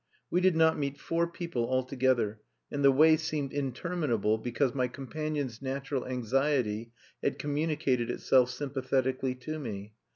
We did not meet four people altogether, and the way seemed interminable, because my companion's natural anxiety had communicated itself sympathetically to me.